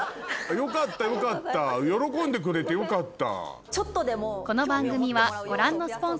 よかったよかった喜んでくれてよかった。